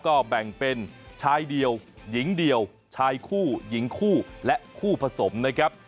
ก็แบ่งเป็นชายเดียวหญิงเดียวชายคู่หญิงคู่และคู่ผสมนะครับ